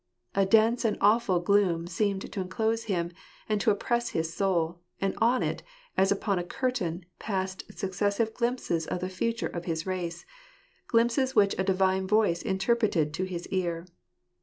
A dense and awful gloom seemed to enclose him, and to oppress his soul, and on it, as upon a curtain, passed successive glimpses of the future of his race — glimpses which a Divine voice interpreted to his ear.